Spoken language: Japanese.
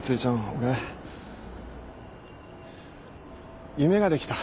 俺夢ができた。